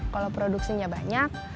kalau produksinya banyak